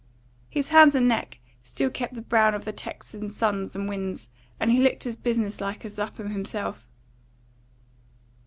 His hands and neck still kept the brown of the Texan suns and winds, and he looked as business like as Lapham himself.